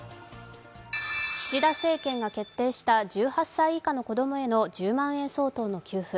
岸田政権が決定した１８歳以下の子供への１０万円の給付。